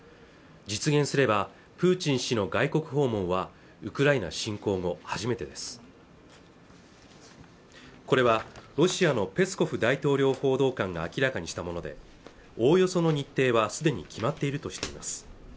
実現すればプーチン氏の外国訪問はウクライナ侵攻後初めてですこれはロシアのペスコフ大統領報道官が明らかにしたものでおおよその日程はすでに決まっているとしています